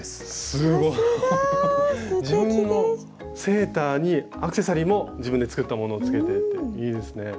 すごい！自分のセーターにアクセサリーも自分で作ったものをつけていていいですね。